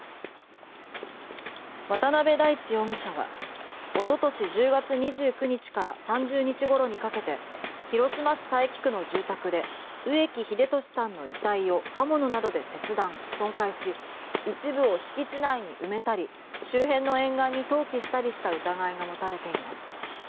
渡部大地容疑者は一昨年１０月２９日から３０日頃にかけて広島市佐伯区の住宅で植木秀俊さんの遺体を刃物などで切断、損壊し一部を敷地内に埋めたり周辺の沿岸に投棄したりした疑いが持たれています。